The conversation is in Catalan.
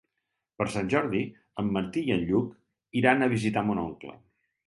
Per Sant Jordi en Martí i en Lluc iran a visitar mon oncle.